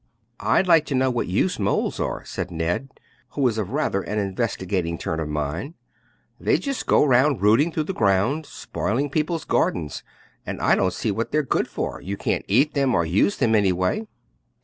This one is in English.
'" "I'd like to know what use moles are," said Ned, who was of rather an investigating turn of mind; "they just go round rooting through the ground spoiling people's gardens, and I don't see what they're good for; you can't eat them or use them any way."